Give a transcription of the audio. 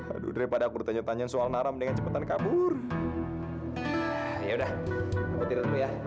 aduh daripada bertanya tanya soal naram dengan cepetan kabur ya udah